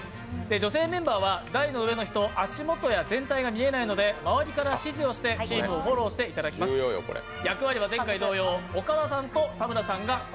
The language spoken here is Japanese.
女性メンバーは台の上の人、足元や全体が見えないのでまわりから指示をしてチームをフォローしていただければと思います。